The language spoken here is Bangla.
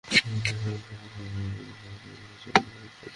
ইলিয়াস শেখের সঙ্গে একই গ্রামের সাহেব আলী শেখের জমি নিয়ে বিরোধ চলছে।